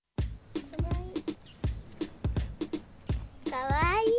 かわいい！